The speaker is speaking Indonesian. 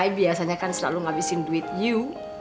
biasanya kan selalu ngabisin duit you